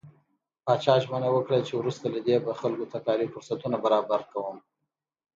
پاچا ژمنه وکړه چې وروسته له دې به خلکو ته کاري فرصتونه برابر کوم .